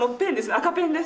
赤ペンです。